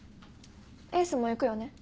エースも行くよね？